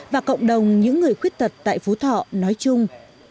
và cộng đồng những người khuyết tật tại phú thọ nói chung